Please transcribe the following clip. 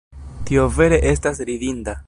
Tio vere estas ridinda!